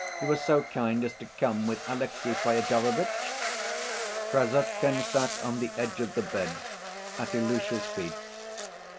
You were so kind as to come with Alexey Fyodorovitch?" Krassotkin sat on the edge of the bed, at Ilusha's feet.